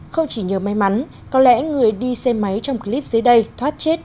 không chỉ nhờ may mắn có lẽ người đi xe máy trong clip dưới đây thoát chết